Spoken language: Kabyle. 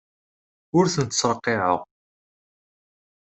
Ur tent-ttreqqiɛeɣ.